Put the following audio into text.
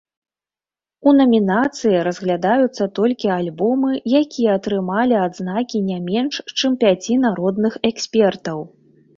У намінацыі разглядаюцца толькі альбомы, якія атрымалі адзнакі не менш, чым пяці народных экспертаў.